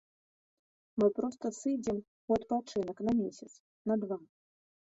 Мы проста сыдзем у адпачынак на месяц, на два.